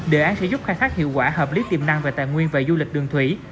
đề án sẽ giúp khai thác hiệu quả hợp lý tiềm năng về tài nguyên và du lịch đường thủy